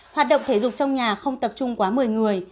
hoạt động thể dục trong nhà không tập trung quá một mươi người